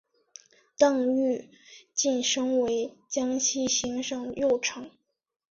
邓愈晋升为江西行省右丞。